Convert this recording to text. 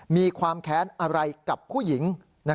มีความแค้นอะไรกับผู้หญิง